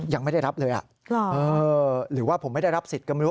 ยังไม่ได้รับเลยหรือว่าผมไม่ได้รับสิทธิ์ก็ไม่รู้